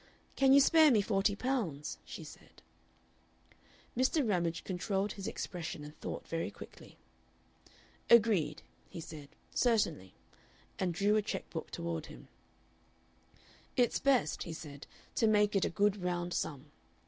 "Can you spare me forty pounds?" she said. Mr. Ramage controlled his expression and thought very quickly. "Agreed," he said, "certainly," and drew a checkbook toward him. "It's best," he said, "to make it a good round sum.